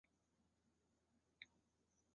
当初称作关东执事。